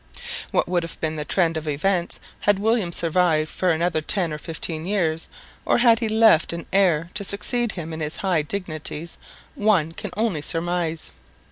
What would have been the trend of events had William survived for another ten or fifteen years or had he left an heir to succeed him in his high dignities, one can only surmise.